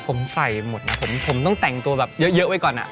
ผมใส่หมดนะผมต้องแต่งตัวแบบเยอะไว้ก่อน